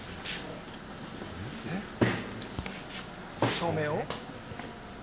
照明を？